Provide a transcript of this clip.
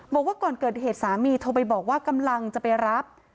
บอกว่าก่อนเกิดเหตุสามีโทรไปบอกว่ากำลังจะไปรับ